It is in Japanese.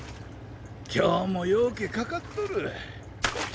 今日もようけかかっとる！